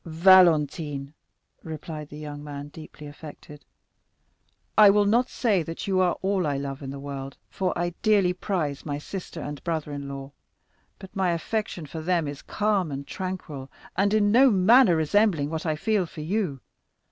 "Valentine," replied the young man, deeply affected, "I will not say you are all I love in the world, for I dearly prize my sister and brother in law; but my affection for them is calm and tranquil, in no manner resembling what I feel for you.